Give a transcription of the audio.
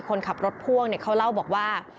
คนขับรถพ่วงเขาเล่าบอกว่า